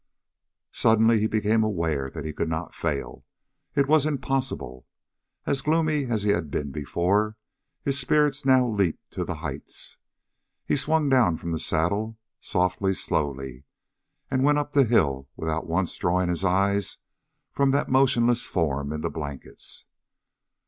Suddenly he became aware that he could not fail. It was impossible! As gloomy as he had been before, his spirits now leaped to the heights. He swung down from the saddle, softly, slowly, and went up the hill without once drawing his eyes from that motionless form in the blankets.